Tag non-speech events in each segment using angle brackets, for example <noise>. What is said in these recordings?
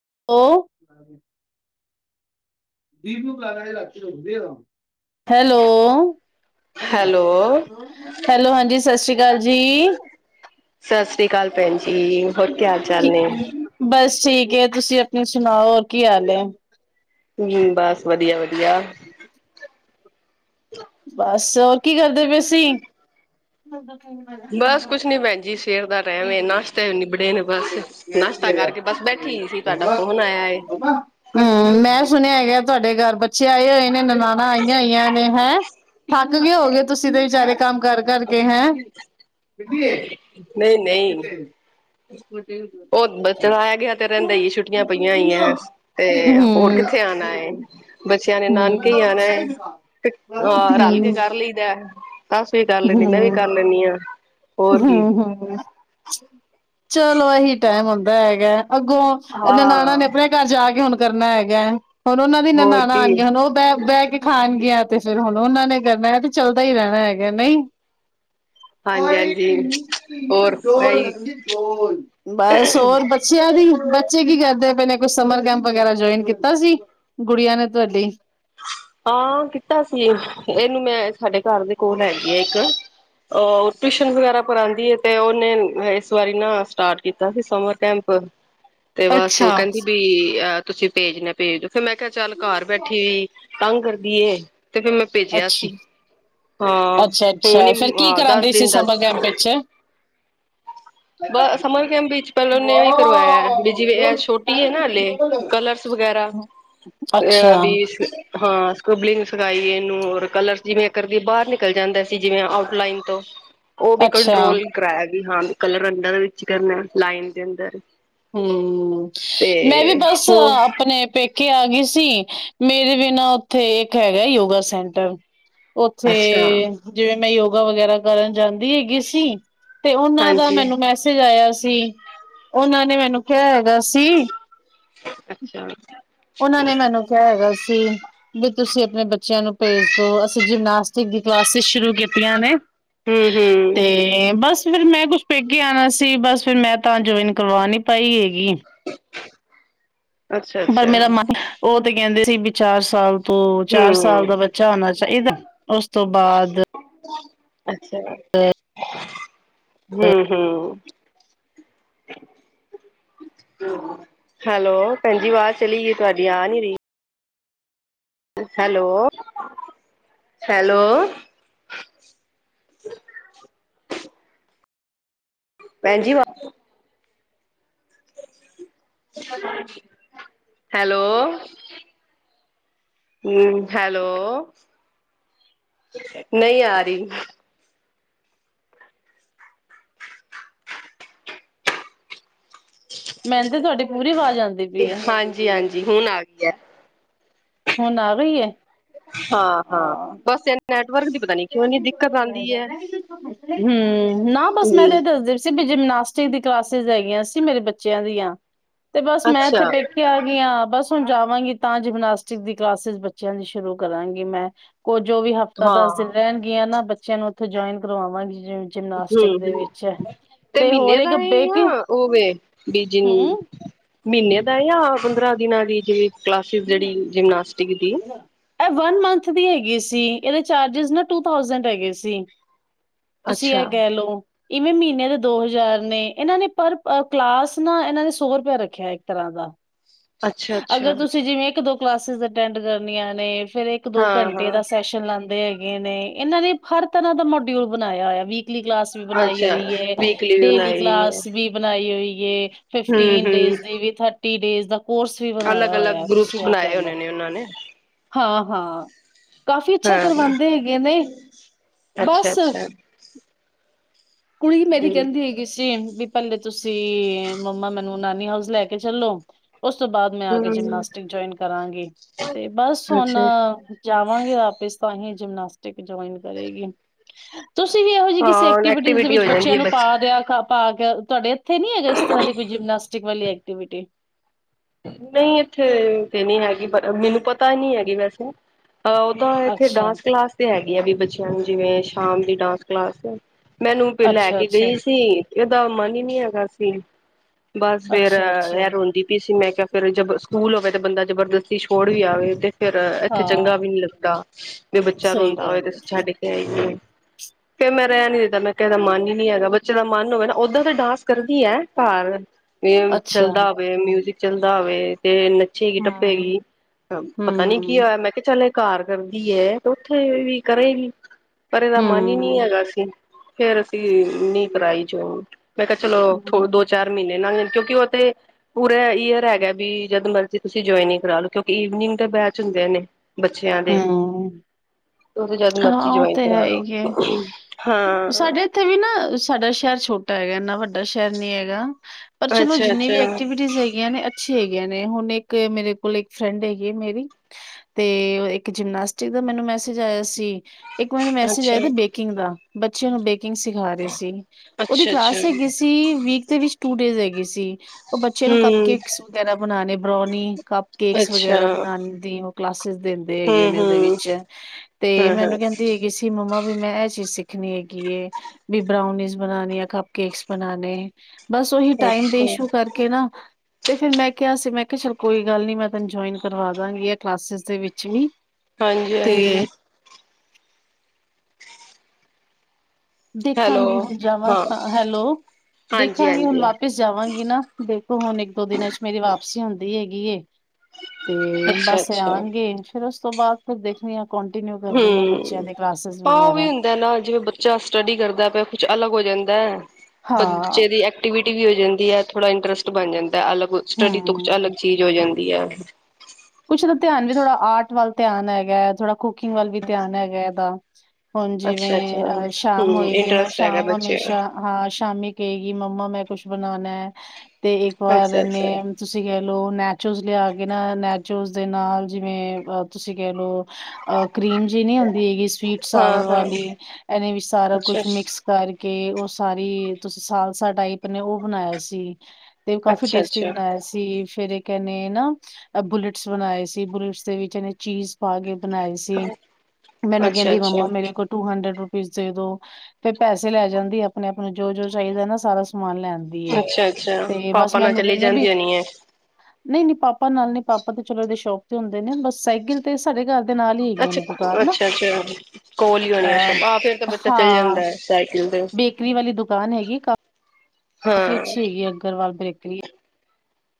<unintelligible> Hello, hello hello. ਹਾਂਜੀ ਸਤਿ ਸ਼੍ਰੀ ਅਕਾਲ ਜੀ ਸ਼੍ਰੀ ਅਕਾਲ ਭੈਣਜੀ ਜੀ ਹੋਰ ਕਿਆ ਚਾਲ ਨੇ ਬਸ ਠੀਕ ਏ ਤੁਸੀਂ ਆਪਣੀ ਸੁਣਾਓ ਹੋਰ ਕੀ ਹਾਲ ਏ ਹਮ ਬਸ ਵਧੀਆ-ਵਧੀਆ ਬਸ ਹੋਰ ਕੀ ਕਰਦੇ ਪਏ ਸੀ <inaudible> ਬਸ ਕੁਛ ਨੀ ਭੈਣ ਜੀ ਸਵੇਰ ਦਾ ਟਾਈਮ ਨਾਸ਼ਤਾ ਨਿਬੜੇ ਨੇ ਬਸ ਨਾਸ਼ਤਾ ਕਰਕੇ ਬਸ ਬੈਠੀ ਸੀ ਤੁਹਾਡਾ ਫੋਨ ਆਇਆ ਏ ਹਮ ਮੈਂ ਸੁਣਿਆ ਹੈਗਾ ਤੁਹਾਡੇ ਘਰ ਬੱਚੇ ਆਏ ਹੋਏ ਨੇ ਨਨਾਣਾਂ ਆਈਆਂ ਹੋਈਆਂ ਨੇ ਹੈਂ ਥੱਕ ਗਏ ਹੋਵੋ ਗੇ ਤੁਸੀਂ ਤੇ ਵਿਚਾਰੇ ਕੰਮ ਕਰ ਕਰ ਕੇ ਹੈ। ਨਹੀਂ ਨਹੀਂ ਉਹ ਚਲੋ ਆਇਆ ਗਿਆ ਤੇ ਰਹਿੰਦਾ ਈ ਛੁੱਟੀਆਂ ਪਈਆਂ ਹੋਈਆਂ, ਤੇ ਹਮ ਹੋਰ ਕਿੱਥੇ ਆਉਣਾ, ਬੱਚੇ ਬੱਚਿਆਂ ਨੇ ਹਮ ਨਾਨਕੇ ਹੀ ਆਣਾ, ਅਹ ਰਲ ਕੇ ਕਰ ਲਈਦਾ <unintelligible> ਸਸ ਵੀ ਕਰ ਲੈਂਦੀ ਹਮ ਮੈਂ ਵੀ ਕਰ ਲੈਂਦੀ ਹਾਂ। ਹੋਰ ਕੀ ਹਮ ਹਮ ਚਲੋ ਐਹੀ ਟਾਈਮ ਹੁੰਦਾ ਹੈਗਾ ਅੱਗੋਂ, ਨਨਾਣਾਂ ਹਾਂ ਨੇ ਆਪਣੇ ਘਰ ਜਾ ਕੇ ਹੁਣ ਕਰਨਾ ਹੈਗਾ ਹੁਣ ਉਹਨਾਂ ਦੀ ਹੋਰ ਨਨਾਣਾਂ ਕੀ ਆਣਗੀਆਂ ਹੁਣ ਉਹ ਬਹਿ ਬਹਿ ਕੇ ਖਾਣਗੀਆਂ ਤੇ ਫਿਰ ਹੁਣ ਉਹਨਾਂ ਨੇ ਕਰਨਾ ਹੈ ਤੇ ਚੱਲਦਾ ਹੀ ਰਹਿਣਾ ਹੈਗਾ ਨਹੀਂ ਹਾਂਜੀ ਹਾਂਜੀ ਬਸ ਹੋਰ ਬੱਚਿਆਂ ਦੀ ਬੱਚੇ ਕੀ ਕਰਦੇ ਪਏ ਨੇ ਕੁਛ ਸਮਰ ਕੈਂਪ ਵਗੈਰਾ ਜੁਆਇਨ ਕੀਤਾ ਸੀ, ਗੁੜੀਆਂ ਨੇ ਤੁਹਾਡੀ ਹਾਂ ਕੀਤਾ ਸੀ। ਇਹਨੂੰ ਮੈਂ ਸਾਡੇ ਘਰ ਦੇ ਕੋਲ ਹੈਗੀ ਐ ਇੱਕ, ਉਹ ਟਿਊਸ਼ਨ ਵਗੈਰਾ ਪੜ੍ਹਾਉਂਦੀ ਐ ਤੇ ਉਹਨੇ ਇਸ ਵਾਰੀ ਨਾ ਸਟਾਰਟ ਕੀਤਾ ਸੀ ਸਮਰ ਕੈਂਪ ਤੇ ਬਸ ਉਹ ਅੱਛਾ ਕਹਿੰਦੀ ਵੀ ਅ ਤੁਸੀਂ ਭੇਜਣਾ ਭੇਜ ਦਿਓ ਫਿਰ ਮੈਂ ਕਿਹਾ ਚੱਲ ਘਰ ਬੈਠੀ। ਤੰਗ ਕਰਦੀ ਹੈ? ਤੇ ਫਿਰ ਮੈਂ ਭੇਜਿਆ ਅੱਛਾ ਸੀ ਹਾਂ ਅੱਛਾ ਅੱਛਾ ਹੁਣੀ ਫੇਰ ਕੀ ਹਾਂ ਦਸ ਕਰਾਂਦੇ ਸੀ ਦਿਨ ਦਾ ਸਮਰ ਕੈਂਪ ਵਿੱਚ ਸੀ। ਬ ਸਮਰ ਕੈਂਪ ਵਿੱਚ ਪਹਿਲਾਂ ਉਹਨੇ ਕਰਵਾਇਆ ਵੀ ਜਿਵੇਂ ਇਹ ਛੋਟੀ ਹੈ ਨਾ ਹਲੇ ਕਲਰਸ ਵਗੈਰਾ ਅੱਛਾ ਅ ਵੀ ਹਾਂ। ਕਬਲਿੰਗ ਸਿਖਾਈ ਇਹਨੂੰ ਰ ਕਲਰ ਜਿਵੇਂ ਕਰਦੀ ਬਾਹਰ ਨਿਕਲ ਜਾਂਦਾ ਸੀ ਜਿਵੇਂ ਆਊਟ ਲਨ ਤੋਂ? ਉਹ ਵੀ ਅੱਛਾ ਕੰਟਰੋਲ ਕਰਾਇਆ ਗਿਆ। ਜੀ ਹਾਂਜੀ। ਕਲਰ ਅੰਡਰ ਦੇ ਵਿੱਚ ਕਰਨਾ ਲਾਈਨ ਦੇ ਅੰਦਰ? ਹੂੰ ਮੈਂ ਵੀ ਤੇ ਬਸ ਹੋਰ ਆਪਣੇ ਪੇਕੇ? ਪੇਕੇ ਆ ਗਈ ਸੀ ਮੇਰੇ ਬਿਨਾਂ ਉੱਥੇ ਇੱਕ ਹੈਗਾ ਯੋਗਾ ਸੈਂਟਰ? ਉੱਥੇ ਅੱਛਾ ਜਿਵੇਂ ਮੈਂ। ਯੋਗਾ ਵਗੈਰਾ ਕਰਨ ਜਾਂਦੀ ਹੈਗੀ ਸੀ। ਤੇ ਉਹਨਾਂ ਦਾ ਹਾਂਜੀ ਮੈਨੂੰ ਮੈਸੇਜ ਆਇਆ ਸੀ? ਦੀ ਉਹਨਾਂ । ਨੇ ਮੈਨੂੰ ਕਿਹਾ? ਕਿਹਾ ਸੀ ਅੱਛਾ ਉਹਨਾਂ ਨੇ ਮੈਨੂੰ ਕਿਹਾ ਹੈਗਾ ਸੀ? ਦੀ ਤੁਸੀਂ ਆਪਣੇ ਬੱਚਿਆਂ ਨੂੰ ਭੇਜ ਦੋ ਅਸੀਂ ਜਿਮਨਾਸਟਿਕ ਦੀ ਕਲਾਸਿਸ ਸ਼ੁਰੂ ਕੀਤੀਆਂ ਨੇ? ਹੂੰ ਹੂੰ। ਬਸ ਤੇ ਫਿਰ ਮੈਂ ਕੁਛ ਪੇਕੇ ਆਉਣਾ ਸੀ ਬਸ ਫਿਰ ਮੈਂ ਤਾਂ ਜੁਆਇਨ ਕਰਵਾ ਨਹੀਂ। ਪਾਈ ਹੈਗੀ। ਅੱਛਾ ਪਰ ਅੱਛਾ ਮੇਰਾ ਮਨ ਉਹ ਤੇ ਕਹਿੰਦੇ? ਦੀ ਵੀ ਚਾਰ ਸਾਲ। ਤੇ ਚਾਰ ਸਾਲ ਹੂੰ ਦਾ ਬੱਚਾ ਹੋਣਾ? ਅੱਛਾ ਇਹਦਾ ਉਸ ਤੋਂ ਬਾਅਦ? ਹੂੰ। ਅੱਛਾ। ਹੂੰ ਹੂੰ ਹੈਲੋ ਭੈਣਜੀ ਆਵਾਜ਼ ਚਲੀ ਗਈ ਤੁਹਾਡੀ ਆ ਨੀ ਰਹੀ? Hello hello. ਭੈਣ ਜੀ। ਹੈਲੋ। ਹੂੰ ਹੈਲੋ ਨਹੀਂ ਆ ਰਹੀ? ਮੈਨੂੰ ਤੇ ਤੁਹਾਡੀ ਪੂਰੀ ਆਵਾਜ਼? ਆਉਂਦੀ ਪਈ ਹੈ ਹਾਂਜੀ ਹਾਂਜੀ। ਜੀ ਹੁਣ ਆ ਗਈ ਹੈ। ਹੁਣ ਆ ਰਹੀ ਹੈ? ਹਾਂ ਹਾਂ ਬੱਸ ਇਹ ਨੈਟਵਰਕ ਦੀ? ਪਤਾ ਨੀ ਕਿਉਂ ਇੰਨੀ ਦਿੱਕਤ ਆਉਂਦੀ ਹੈ ਹੂੰ ਨਾ ਬਸ ਮੈਂ ਹਮ ਤੇ ਦੱਸਦੀ ਸੀ? ਜਿਮਨਾਸਟਿਕ ਦੀ ਕਲਾਸਿਸ ਹੈਗੀਆਂ ਸੀ ਮੇਰੇ ਬੱਚਿਆਂ ਦੀਆਂ ਤੇ ਬਸ ਮੈਂ ਅੱਛਾ ਇੱਥੇ ਪੇਕੇ ਆ ਗਈ ਹਾਂ ਬਸ। ੋਂ ਹੁਣ ਜਾਵਾਂਗੀ ਤਾਂ ਜਿਮਨਾਸਟਿਕ ਦੀ ਕਲਾਸਿਸ ਬੱਚਿਆਂ ਦੀ ਸ਼ੁਰੂ ਕਰਾਂਗੀ ਮੈਂ। ਉਹ ਜੋ ਵੀ ਹਫ਼ਤਾ ਦਾ ਹਾਂ ਹਮ ਰਹਿਣਗੀਆਂ ਨਾ। ਬੱਚਿਆਂ ਨੂੰ ਉੱਥੋਂ ਜੁਇਨ ਕਰਵਾਵਾਂਗੀ। ਜਿਮਨਾਸਟਿਕ ਹਮ ਦੇ ਵਿੱਚ। ਹਮ ਤੇ ਹੋਰ ਮਹੀਨੇ ਦਾ ਇੱਕ ਬੇਕਿੰਗ ਆ ਉਹਵੇ ਬੀਜੀ ਹਮ ਮਹੀਨੇ ਦਾ ਆ। ਪੰਦਰਾਂ ਦਿਨਾਂ ਦੀ ਜਿਵੇ ਕਲਾਸਿਸ ਜਿਹੜੀ ਜਿਮਨਾਸਟਿਕ ਦੀ ਇਹ ਵਨ ਮੰਥ ਦੀ ਹੈਗੀ ਸੀ ਇਹਦੇ ਚਾਰਜਜ ਨਾ ਟੂ ਥੋਸੰਡ ਹੈਗੇ ਸੀ। ਤੁਸੀਂ ਅੱਛਾ ਇਹ ਕਹਿ ਲਓ। ਇਵੇਂ ਮਹੀਨੇ ਦੇ ਦੋ ਹਜ਼ਾਰ ਨੇ ਇਹਨਾਂ ਨੇ ਪਰ ਕਲਾਸ ਨਾ ਇਹਨਾਂ ਨੇ ਸੌ ਰੁਪਿਆ ਰੱਖਿਆ ਇੱਕ ਤਰ੍ਹਾਂ ਦਾ। ਅੱਛਾ ਅੱਛਾ ਅਗਰ ਤੁਸੀਂ ਜਿਵੇਂ ਇੱਕ ਦੋ ਕਲਾਸਿਸ ਅਟੈਂਡ ਕਰਨੀਆਂ ਨੇ ਫੇਰ ਇੱਕ ਦੋ ਹਾਂ ਘੰਟੇ ਹਾਂ ਦਾ ਸੈਸ਼ਨ ਲਾਂਦੇ ਹੈਗੇ। ਹੈਗੇ ਨੇ ਇਹਨਾਂ ਨੇ ਹਰ ਤਰ੍ਹਾਂ ਦਾ ਮੋਡਿਊਲ ਬਣਾਇਆ ਹੋਇਆ ਵੀ ਵੀਕਲੀ ਕਲਾਸ ਵੀ ਬਣਾਈ ਅੱਛਾ ਹੋਈ ਹੈ ਵੀਕਲੀ ਡੇਲੀ ਬਣਾਈ ਹੈ ਕਲਾਸ ਵੀ ਬਣਾਈ ਹੋਈ। ਇਹ ਹਮ ਫਿਫਟੀਨ ਹਮ ਡੇਜ਼ ਦੀ ਵੀ ਟੀ ਡੇਜ਼ ਦਾ ਕੋਰਸ ਵੀ ਬਣਾਇਆ ਅਲੱਗ ਅਲੱਗ ਹੋਇਆ ਹੈ, ਗਰੁੱਪਸ ਤੁਸੀਂ ਇਹ ਬਣਾਏ ਕਹਿ ਲਓ ਹੋਣੇ ਉਹਨਾਂ ਨੇ? ਹਾਂ ਹਾਂ। ਕਾਫ਼ੀ ਅੱਛਾ ਹਾਂ ਕਰਵਾਂਦੇ ਹੈਗੇ ਨੇ ਅੱਛਾ ਬਸ ਅੱਛਾ ਕੁੜੀ ਮੇਰੀ ਹਮ ਕਹਿੰਦੀ ਹੈਗੀ ਸੀ ਵੀ ਪਹਿਲੇ ਤੁਸੀਂ ਮੰਮਾ ਮੈਨੂੰ ਨਾਨੀ ਹਾਊਸ ਲੈ ਕੇ ਚੱਲੋ ਉਸ ਤੋਂ ਬਾਅਦ ਮੈਂ ਆ ਕੇ ਹਮ ਜਿਮਨਾਸਟਿਕ ਜੁਇਨ ਕਰਾਂਗੀ ਤੇ ਬਸ ਹੁਣ ਅੱਛਾ ਜਾਵਾਂਗੇ ਆਪਿਸ। ਤਾਂਹੀ ਜਿਮਨਾਸਟਿਕ ਜੁਆਇਨ ਕਰੇਗੀ। ਤੁਸੀਂ ਵੀ ਇਹੋ ਜਿਹੀ ਕਿਸ ਹਾਂ ਐਕਟੀਵਿਟੀ ਦੇ ਹੋ ਬੱਚਿਆਂ ਜਾਂਦੀ ਹੈ ਨੂੰ ਪਾ ਬੱਚੇ ਦਿਆ ਕਰ <unintelligible> ਕੇ ਤੁਹਾਡੇ ਇਥੇ ਨੀ ਹੈਗਾ ਇਸ ਤਰ੍ਹਾਂ ਦੀ ਕੋਈ ਜਿਮਨਾਸਟਿਕ ਵਾਲੀ ਹੈਗੀ। ਐਕਟੀਵਿਟੀ ਨਹੀਂ ਇੱਥੇ ਤੇ ਨਹੀਂ ਹੈਗੀ ਮੈਨੂੰ ਪਤਾ ਹੀ ਨਹੀਂ ਹੈਗੀ ਵੈਸੇ। ਉਹਦਾ ਇੱਥੇ ਅੱਛਾ ਡਾਂਸ ਕਲਾਸ ਤੇ ਹੈਗੇ। ਵੀ ਬੱਚਿਆਂ ਨੂੰ ਜਿਵੇਂ ਸ਼ਾਮ ਦੀ ਡਾਂਸ ਕਲਾਸ ਮੈਨੂੰ ਪ ਲੈ ਅੱਛਾ ਕੇ ਅੱਛਾ ਗਈ ਸੀ। ਇਹਦਾ ਮਨ ਹੀ ਨਹੀਂ ਹੈਗਾ ਸੀ। ਬਸ ਫਰ ਅੱਛਾ ਅੱਛਾ ਐ ਰੋਂਦੀ ਪੀ ਸੀ ਮੈਂ ਕਿਹਾ ਫਿਰ ਜ ਸਕੂਲ ਹੋਵੇ ਤੇ ਬੰਦਾ ਜਬਰਦਸਤੀ ਛੋੜ ਵੀ ਆਵੇ ਤੇ ਫੇਰ ਇੱਥੇ ਚੰਗਾ ਹਾਂ ਵੀ ਨੀ ਲੱਗਦਾ ਵੀ ਬੱਚਾ ਸਹੀ ਰੋਂਦਾ ਹੋਵੇ ਤੇ ਗੱਲ ਹੈ ਅਸੀਂ ਛੱਡ ਕੇ ਆਈਏ। ਫਿਰ ਮੈਂ ਰਹਿਣ ਈ ਦਿੱਤਾ ਮੈਂ ਕਿਹਾ ਇਹਦਾ ਮਨ ਹੀ ਨਹੀ ਹੈਗਾ ਬੱਚੇ ਦਾ ਮਨ ਹੋਵੇ ਨਾ ਓਦਾਂ ਤਾਂ ਡਾਂਸ ਕਰਦੀ ਹੈ ਘਰ ਇਹ ਅੱਛਾ ਚੱਲਦਾ ਵੀ ਮਿਊਜਿਕ। ਚੱਲਦਾ ਹੋਵੇ ਤੇ ਨੱਚੇਗੀ ਹਮ ਟੱਪੇਗੀ ਅ ਪਤਾ ਨੀ ਕੀ ਹਮ ਹੋਇਆ ਮੈਂ ਕਿਹਾ ਚੱਲਿਆ ਕਾਰ ਕਰਦੀ ਹੈ ਤੇ ਉੱਥੇ ਵੀ ਕਰੇਗੀ। ਪਰ ਇਹਦਾ ਮਨ ਹੀ ਨਹੀਂ ਹਮ ਹੈਗਾ ਅ ਸੀ। ਫਿਰ ਅਸੀਂ ਨੀ ਕਰਾਈ ਜੋ ਮੈਂ ਕਿਹਾ ਹਮ ਚਲੋਥੋ ਦੋ ਚਾਰ ਮਹੀਨੇ ਕਿਉਂਕਿ ਉੱਥੇ ਪੂਰਾ ਅਰ ਹੈਗਾ ਵੀ ਜਦ ਮਰਜੀ ਤੁਸੀਂ ਜੁਆਇਨ ਕਰਾ ਲਓ ਕਿਉਂਕਿ ਇਵਨਿੰਗ ਦੇ ਬੈਚ ਹੁੰਦੇ ਨੇ ਬੱਚਿਆਂ ਦੇ ਹਮ ਉਹ ਤੇ ਜਦ ਹਾਂ ਮਰਜ਼ੀ ਉਹ ਜੁਆਇਨ ਤੇ ਕਰਾ ਲਓ ਹੈਗੇ ਹਾਂ ਸਾਡੇ ਇੱਥੇ ਵੀ ਨਾ ਸਾਡਾ ਸ਼ਹਿਰ ਛੋਟਾ ਹੈਗਾ ਇਨਾ ਵੱਡਾ ਸ਼ਹਿਰ ਨੀ ਹੈਗਾ। ਪਰ ਚਲੋ ਜਿੰਨੀ ਵੀ ਅੱਛਾ-ਅੱਛਾ, ਐਕਟੀਵਿਟੀ ਹੈਗੀਆਂ ਨੇ ਅੱਛੀ ਹੈਗੀ। ਨੇ ਹੁਣ ਇੱਕ ਮੇਰੇ ਕੋਲ ਇੱਕ ਫਰੈਂਡ ਹੈਗੀ ਆ ਮੇਰੀ ਤੇ ਇੱਕ ਜਿਮਨਾਸਟਿਕ ਦਾ ਮੈਨੂੰ ਮੈਸੇਜ ਆਇਆ ਸੀ। ਇੱਕ ਮੈਨੂੰ ਮੈਸੇਜ ਅੱਛਾ, ਆਾਦਾ ਬੇਕਿੰਗ ਦਾ ਬੱਚਿਆਂ ਨੂੰ ਦੇਖ ਕਿੰਗ ਸਿਖਾ ਰਹੇ ਸੀ ਉਹਦੀ ਅੱਛਾ-ਅੱਛਾ, ਕਲਾਸ ਹੈਗੀ ਸੀ ਵੀਕ ਦੇ ਵਿੱਚ ਟੂ ਡੇਜ਼ ਹੈਗੀ ਸੀ। ਉਹ ਬੱਚੇ ਨੂੰ ਕਪ ਹੂੰ, ਕੇਕਸ ਵਗੈਰਾ ਬਣਾਉਣੇ ਬ੍ਰੋਣੀ ਕੱਪ ਕੇਕਸ ਅੱਛਾ, ਵਗੈਰਾ ਬਣਾਉਂ ਦੀ ਹੋ। ਕਲਾਸਿਸ ਦੇ ਹੈਗੇ ਨੇ ਉਹਦੇ ਹੂੰ-ਹੂੰ, ਵਿੱਚ ਤੇ ਹਾਂ-ਹਾਂ, ਮੈਨੂੰ ਕਹਿੰਦੀ ਹੈਗੀ ਸੀ ਮੰਮਾ ਵੀ ਮੈਂ ਇਹ ਚੀਜ਼ ਸਿੱਖ ਖਣੀ ਹੈਗੀ ਹੈ ਵੀ ਬਰਾਉਨੀਜ਼ ਬਣਾਨ ਆ ਕੱਪ ਕੇਕਸ ਬਣਾਣੇ ਬਸ ਔਹੀ ਟਾਈਮ ਦੇ ਅੱਛਾ, ਇਸ਼ੂ ਕਰਕੇ ਨਾ ਤੇ ਫਿਰ ਮੈਂ ਕਿਆ ਸੀ ਮੈਂ ਕਿਆ ਚੱਲ ਕੋਈ ਗੱਲ ਨੀ ਮੈਂ ਤੈਨੂੰ ਜੋਇਨ ਕਰਵਾ ਦਾਂਗੀ ਐ ਕਲਾਸਿਸ ਦੇ ਵਿੱਚ। ਚ ਵੀ। ਹਾਂਜੀ ਤੇ ਹਾਂਜੀ। ਹੈਲੋ, ਦੇਖਾਂਗੀ ਹੁਣ ਜਾਵਾਂ, ਹਾਂ, ਹੈਲੋ ਦੇਖਾਂਗੀ ਹੁਣ ਹਾਂਜੀ-ਹਾਂਜੀ, ਵਾਪਿਸ ਜਾਵਾਂਗੀ ਨਾ ਦੇਖੋ ਹੁਣ ਇੱਕ ਦੋ ਦਿਨਾਂ ਚ ਮੇਰੀ ਵਾਪਸੀ ਹੁੰਦੀ ਹੈਗੀ ਗੀਏ। ਤੇ ਬਸ ਐ ਅੱਛਾ-ਅੱਛਾ, ਆਣਗੇ ਫਿਰ ਅ ਸ ਤੋਂ ਬਾਦ ਤੋਂ ਦੇਖਣੀ ਆ। ਕੰਟੀਨਿਊ ਕਰਨੀ ਆ ਬੱਚਿਆਂ ਹੂੰ, ਦੇ ਕਲਾਸਿਸ ਤਾਂ ਔਵੀ ਵਗੈਰਾ ਹੁੰਦਾ ਨਾ ਜਿਵੇਂ ਬੱਚਾ ਸਟੱਡੀ ਕਰਦਾ ਪਿਆ ਕੁਛ ਅਲੱਗ ਹੋ ਜਾਂਦੈ। ਹਾਂ ਬਣਚੇ ਦੀ ਐਕਟੀਵਿਟੀ ਵੀ ਹੋ ਜਾਂਦੀ ਐ, ਥੋੜਾ ਇੰਟਰਸਟ ਬਣ ਜਾਂਦਾ ਤਾਂ ਅਲੱਗ ਸਟੱਡੀ ਤੋਂ ਕੁਛ ਹੂੰ ਅਲੱਗ ਚੀਜ਼ ਹੋ ਜਾਂਦ ਵਧੀਆ। ਕੁਛ ਤਾਂ ਧਿਆਨ ਵੀ ਥੋੜਾ ਆਰਟ ਵੱਲ ਧਿਆਨ ਹੈਗੈ, ਥੋੜਾ। ਕੁਕਿੰਗ ਵੱਲ ਵੀ ਧਿਆਨ ਹੈਗੈ ਉਹਦਾ। ਅੱਛਾ ਹੁਣ ਜਿਵੇਂ ਅੱਛਾ-ਅੱਛਾ, ਅਹ ਸ਼ਾਮ ਹੂੰ, ਹੋਏਗੀ ਨਾ ਇੰਟਰਸਟ ਹੈਗਾ ਸ਼ਾਮ ਬੱਚੇ ਨੂੰ ਹਮੇਸ਼ਾ ਹਾਂ ਸ਼ ਸ਼ਾਮੀ ਕਹੇਗੀ ਮੰਮਾ ਮੈਂ ਕੁਛ ਬਣਾਣੈ। ਤੇ ਇੱਕ ਵਾਰ ਅੱਛਾ-ਅੱਛਾ, ਏਨੇ ਤੁਸੀਂ ਕੈ ਲੋ ਨੈਚੋਸ ਲਿਆ ਕੇ ਨਾ ਨੈਚ ਜੋ ਉਸਦੇ ਨਾਲ ਜਿਵੇਂ ਅ ਤੁਸੀਂ ਕਹਿਲੋ। ਅਹ ਕਰੀਮ ਜਿ ਨੀ ਹੁੰਦੀ ਹੈਗੀ ਸਵੀਟ ਸਾਵਰ ਹਾਂ-ਹਾਂ, ਵਾਲੀ ਐਨੇ ਵੀ ਸਾਰਾ ਕੁਛ ਅੱਛਾ ਮਿਕਸ ਕਰਕ ਕੇ ਔ ਸਾਰੀ ਤੁਸੀਂ ਸਾਲਸਾ ਟਾਈਪ ਨੇ ਔ ਬਣਾਇਆ ਸੀ। ਤੇ ਔ ਕਾਫ਼ੀ ਅੱਛਾ ਟੇਸਟੀ ਅੱਛਾ ਬਣਾਇਆ ਸੀ, ਫੇਰ ਏ ਕੈੰਣੇ ਨਾ ਆ ਬੁਲੱਟ ਬਣਾਏ ਸੀ ਬੁਲੇਟਸ ਦੇ ਵਿੱਚ ਐਨੇ ਚੀਸ ਪਾ ਕੇ ਬਣਾਏ ਸੀ, ਮੈਨੂੰ ਅੱਛਾ ਕਹਿੰਦੀ ਮੰਮਾ ਅੱਛਾ ਮੇਰੇ ਕੋਲ ਟੂ ਹੰਡਰਡ ਰੂਪ ਵਿਚ ਦੇ ਦੋ ਤੇ ਪੈਸੇ ਲੈ ਜਾਂਦੀ ਏ ਅਪਣੇ ਆਪ ਨੂੰ ਜੋ ਜੋ ਚਾਈਦੈ ਨਾ ਸਾਰਾ ਸ ਅੱਛਾ-ਅੱਛਾ, ਪਾਪਾ ਨਾਲ ਮੈਨੂੰ ਚਲੀ ਕਹਿੰਨੇ ਵੀ ਜਾਂਦੀ ਹੋਣੀ ਏ। ਨਹੀਂ ਨਹੀਂ ਪਾਪਾ ਨਾਲ ਨਹੀਂ ਪਾਪ ਪਾ ਤੇ ਚਲੇ ਗੲੇ ਸ਼ੋਪ ਤੇ ਹੁੰਦੇ ਨੇ, ਬਸ ਸਾਈਕਲ ਤੇ ਸਾਡੇ ਘਰ ਦੇ ਨਾਲ ਹੀ ਹੈਗੀਆਂ ਅੱਛਾ, ਨੇ ਦੁਕਾਨ ਨਾ ਅੱਛਾ, ਅੱਛਾ, ਕੋਲ ਈ ਹੋਣੀਐ ਅੱਛਾ, ਅਹ ਆਹ, ਫੇਰ ਤਾਂ ਬੱਚਾ ਚਲ ਹਾਂ ਜਾਂਦੈ ਸਾਈਕਲ ਤੇ ਬੇਕਰੀ ਵਾਲੀ ਦੁਕਾਨ ਹੈਗੀ ਏ ਕਾ ਕਾਫੀ ਹਾਂ ਅੱਛੀ ਹੈਗੀ ਆ ਅੱਕਲ ਬਕ ਠੀ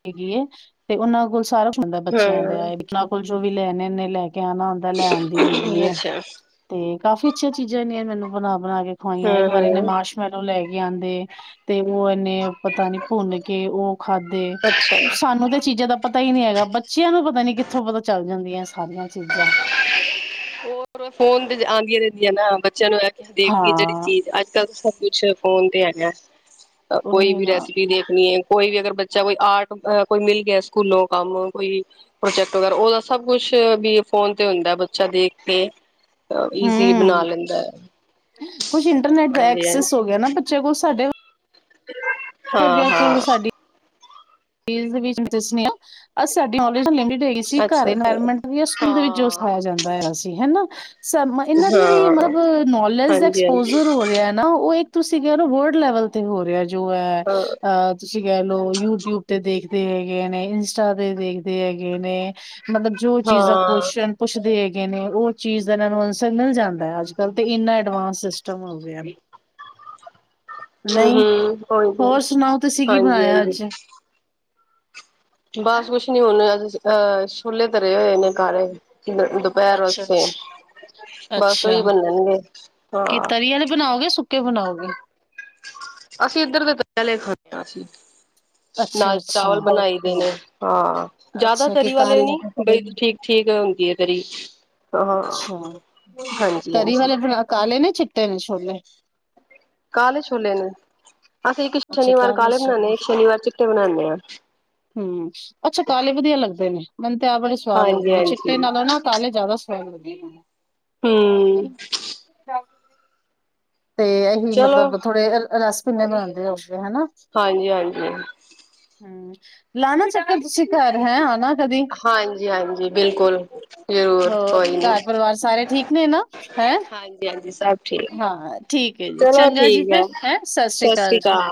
ਹੈਗੀ ਐ ਤੇ ਓਹਨਾ ਕੋਲ ਸਾਰਾ ਹੁੰਦਾ ਬੱਚਿਆ ਦੇ ਹਾਂ ਇੰਨਾ ਕੁਛ ਜੋ ਵੀ ਲੈਣੇ ਨੇ ਲੇ ਮੇਰਾ ਨਾਮ ਆਉਂਦਾ ਲੈਣ ਦੀ ਹੈਗੀ ਆ, ਅੱਛਾ ਤੇ, ਕਾਫੀ ਅੱਛੀਆ ਚੀਜ਼ ਨੇ ਐ ਮੈਨੂੰ ਬਣਨ ਬਣਕੇ ਖਵਾਇਆ ਹਾਂ ਇੱਕ ਵਾਰੀ ਏਨੇ ਹਾਂ ਮਰਸ਼ਮੇਲੋ ਅੰਦੇ ਤੇ ਉਹ ਇਨੇ ਪਤਾ ਨਹੀਂ ਪੁੰਨ ਕਿ ਉਹ ਖਾਦੇ। ਅੱਛਾ ਸਾਨੂੰ ਤੇ ਚੀਜ਼ਾ ਦਾ ਪਤਾ ਹੀ ਨਹੀਂ ਹੈਗਾ ਬੱਚਿਆਂ ਨੂੰ ਪਤਾ ਨਹੀਂ ਕਿੱਥੋਂ ਪਤਾ ਚੱਲ ਜਾਂਦੀਆ। ਸਾਰਿਆ ਚੀਜਾਂ। ਫੋਨ ਆਉਂਦੀਆਂ ਰਹਿੰਦੀਆਂ ਨਾ ਬੱਚਿਆਂ ਨੂੰ ਦੇਖ ਕੇ ਜੇਦੀ ਹਾਂ ਚੀਜ ਆਕ ਕਲ ਸਬ ਕੁਛ ਫੋਨ ਤੇ ਹੈਗੇ ਕੋਈ ਉਹੀ ਵੀ ਨਾ ਰੈਸਿਪੀ ਨੀਡ ਨਹੀਂ ਹ ਕੋਈ ਵੀ ਅਗਰ ਬੱਚਾ ਕੋਈ ਆਰਟ ਕੋਈ ਮਿਲ ਗਿਆ ਸਕੂਲ ਲੋ ਕੰਮ ਕੋਈ ਪ੍ਰੋਜੈਕਟ ਵਗੈਰਾ ਉਹਦਾ ਸਭ ਕੁਝ ਵੀ ਫੋਨ ਤੇ ਹੁੰਦਾ ਛਾ ਦੇਖ ਕੇ ਈਜ਼ੀ ਬਣਾ ਹਨ ਲੈਂਦਾ ਹੈ ਕੁਛ ਇੰਟਰਨੈਟ ਦਾ ਹਾਂਜੀ ਐਕਸੈੱਸ ਹਾਂਜੀ ਹੋਗਿਆ ਨਾ ਬਚਿਆ ਕੋਲ ਸਾਡੇ <unintelligible> ਹਾਂ ਵਰਗਿਆਂ ਕੋਲ ਹਾਂ ਸਾਡੇ <inaudible> ਸਕੂਲ ਅੱਛਾ ਹਾਂ ਦੇ ਵਿੱਚ ਜੋ ਹਾਂ ਸਿਖਾਇਆ ਜਾਂਦਾ ਆ ਅਸੀਂ ਹੈਨਾ ਇਹਨਾਂ ਦੀ ਜਿਹੜੀ ਹਾਂ ਮਤਲਬ ਨੋਲੇਜ ਦਾ ਹਾਂਜੀ ਹਾਂਜੀ ਐਕਸਪੋਜਰ ਹੋ ਰਿਹਾ ਨਾ ਉਹ ਇੱਕ ਤੁਸੀਂ ਕਹਿ ਰਹੇ ਹੋ ਵਰਲਡ ਲੈਵਲ ਤੇ ਹੋ ਰਿਹਾ ਹੋ ਐ ਹਾਂ ਆ ਓਹ ਯੂਟਿਊਬ ਤੇ ਦੇਖਦੇ ਹੈਗੇ ਨੇ ਇੰਸਟਾ ਤੇ ਦੇਖਦੇ ਹੈਗੇ ਨੇ ਮਤਲਬ ਜੋ ਚੀਜ਼ਾਂ ਹਾਂ ਕੁਸ਼ਚਨ ਪੁੱਛਦੇ ਗਏ ਨੇ ਉਹ ਚੀਜ਼ ਇਹਨਾਂ ਨੂੰ ਅਸਰ ਮਿਲ ਜਾਂਦਾ ਅੱਜਕੱਲ ਤੇ ਇੰਨਾ ਐਡਵਾਂਸ ਸਿਸਟਮ ਹੋ ਗਿਆ ਹਮ ਨਹੀਂ ਉਹੀ ਤੇ ਹੋਰ ਸੁਣਾਓ ਤੁਸੀਂ ਕੀ ਬਣਾਇਆ ਅੱਜ ਬੱਸ ਕੁਛ ਨੀ ਹੁਣ ਓਹ ਛੋਲੇ ਤਾਰੇ ਹੋਏ ਨੇ ਕਾਲੇ ਦੁਪਹਿਰ ਅੱਛਾ ਵਾਸਤੇ ਅੱਛਾ ਬਸ ਉਹੀ ਅੱਛਾ ਬਣਣਗੇ ਕਿ ਹਾਂ ਤਰੀ ਵਾਲੇ ਬਣਾਓਗੇ ਸੁੱਕੇ ਬਣਾਓਗੇ? ਅਸੀਂ ਇੱਧਰ ਦੇ ਪਹਿਲੇ ਦੇਖਤਾ ਸੀ? ਅੱਛਾ ਨਾਲ ਅੱਛਾ ਚਾਵਲ ਬਣਾਈ ਦੀ ਨੇ। ਹਾਂ ਜਿਆਦਾ ਅੱਛਾ ਕਿ ਤਰੀ ਵਾਲੇ ਕਾਲ ਨੀ ਬਈ ਠੀਕ। ਠੀਕ ਹੁੰਦੀ ਹੈ ਤਰੀ। ਹਾਂ ਅੱਛਾ ਹਾਂਜੀ ਤਰੀ ਹਾਂਜੀ ਵਾਲੇ ਕਾਲੇ ਨੇ । ਚਿੱਟੇ ਨੇ ਛੋਲੇ। ਕਾਲੇ ਛੋਲੇ ਨੇ। ਅਸੀਂ ਇੱਕ ਅੱਛਾ ਸ਼ਨੀਵਾਰ ਕਾਲੇ ਬਣਾਉਦੇ ਆ ਛੋਲੇ ਇੱਕ ਸ਼ਨੀਵਾਰ ਚਿੱਟੇ ਬਣਾਉਂਦੇ ਆ। ਹੂੰ। ਅੱਛਾ ਕਾਲੇ ਵਧੀਆ ਲੱਗਦੇ ਨੇ? ਮੈਨੂੰ ਤੇ ਆਹ ਬੜੇ ਸਵਾਦ ਲੱਗਦੇ ਹਾਂਜੀ ਨੇ ਹਾਂਜੀ ਚਿੱਟੇ ਨਾਲੋ ਨਾ ਕਾਲਾ ਜ਼ਿਆਦਾ। <unintelligible> ਹਮ ਨਹੀਂ। ਤੇ ਅਸੀ ਚਲੋ ਮਤਲਬ ਥੋੜੇ ਰਸ ਭਿੰਨੇ ਬਣਾਉਂਦੇ, ਹੋਵੋਗੇ ਹਨਾ। ਹਾਂਜੀ ਹਾਂਜੀ ਹਮ, ਲਾਣਾ ਚਾਹ। ਅੰਕਲ ਤੁਸੀਂ ਘਰ ਹੈ, ਆਣਾ ਕਦੀ ਹਾਂਜੀ ਹਾਂਜੀ ਬਿਲਕੁਲ ਜ਼ਰੂਰ ਹੋਰ ਕੋਈ ਨੀ ਘਰ ਪਰਿਵਾਰ ਸਾਰੇ ਠੀਕ ਨੇ ਨਾ ਹੈਂ ਹਾਂਜੀ ਹਾਂਜੀ ਸਭ ਠੀਕ ਹਾਂ। ਠੀਕ ਹੈ ਜੀ ਚਲੋ ਚੰਗਾ ਜੀ, ਠੀਕ ਫਿਰ ਹੈ ਸਤਿ ਸ੍ਰੀ ਅਕਾਲ ਜੀ ।